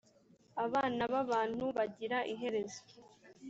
abana b’abantu bagira iherezo